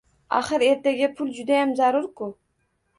Axir ertaga pul judayam zarurku.